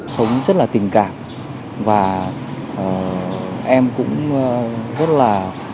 sống rất là tình cảm và em cũng rất là